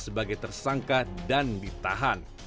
sebagai tersangka dan ditahan